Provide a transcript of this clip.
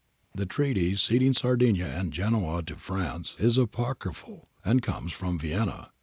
The treaty ceding Sardinia and Genoa to France is apocry phal, and comes from Vienna.